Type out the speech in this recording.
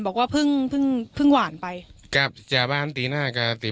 บอกว่าพึ่งพึ่งพึ่งหวานไปครับจาบ้านตีหน้าก็ตี